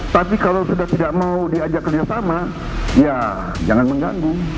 tapi kalau sudah tidak mau diajak kerjasama ya jangan mengganggu